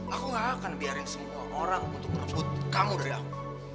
aku gak akan biarin semua orang untuk merebut kamu dari aku